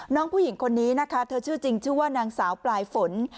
น้องผู้หญิงคนนี้นะคะเธอชื่อจริงชื่อว่านางสาวปลายฝน